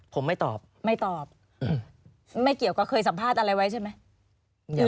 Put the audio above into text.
ผมไม่ตอบไม่ตอบไม่เกี่ยวกับเคยสัมภาษณ์อะไรไว้ใช่ไหม